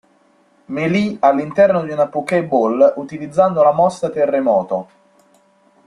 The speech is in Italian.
Melee", all'interno di una Poké Ball, utilizzando la mossa Terremoto.